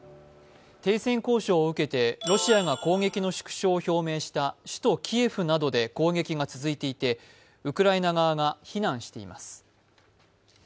停戦交渉を受けてロシアが攻撃の縮小を表明した首都キエフなどで攻撃が続いていてウクライナ側が非難しています。